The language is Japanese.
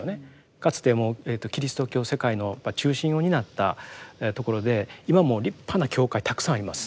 かつてもうキリスト教世界の中心を担ったところで今も立派な教会たくさんあります。